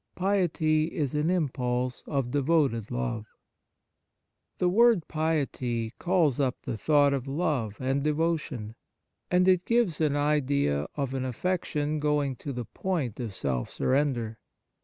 II PIETY IS AN IMPULSE OF DEVOTED LOVE THE word "piety" calls up the thought of love and devotion, and it gives an idea of an affection going to the point of self surrender.